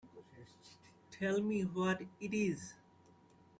Tell me what it is.